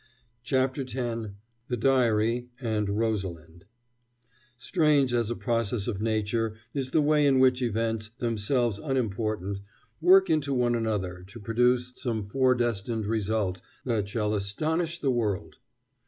CHAPTER X THE DIARY, AND ROSALIND Strange as a process of nature is the way in which events, themselves unimportant, work into one another to produce some foredestined result that shall astonish the world.